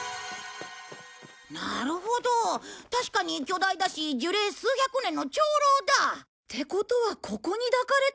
なるほど確かに巨大だし樹齢数百年の長老だ！ってことはここに抱かれて。